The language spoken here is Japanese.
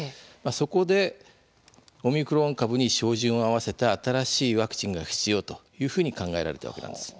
そこでオミクロン株に照準を合わせた新しいワクチンが必要というふうに考えられたわけです。